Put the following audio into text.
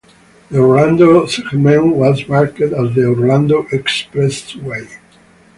The Orlando segment was marked as the Orlando Expressway.